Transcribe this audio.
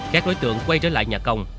các đối tượng quay trở lại nhà công